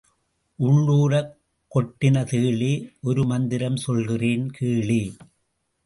உள்ளூறக் கொட்டின தேளே, ஒரு மந்திரம் சொல்கிறேன் கேளே.